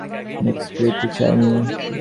নিষ্কৃতি চাই নে।